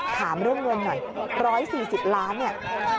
ถามเรื่องเงินหน่อย๑๔๐ล้านเนี่ย